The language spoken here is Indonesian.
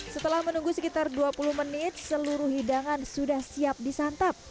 setelah menunggu sekitar dua puluh menit seluruh hidangan sudah siap disantap